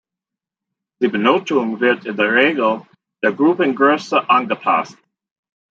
Die Benotung wird in der Regel der Gruppengröße angepasst.